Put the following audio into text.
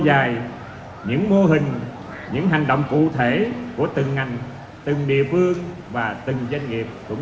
dài những mô hình những hành động cụ thể của từng ngành từng địa phương và từng doanh nghiệp cũng